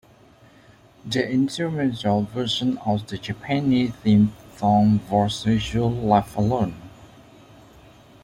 The instrumental version of the Japanese theme song was usually left alone.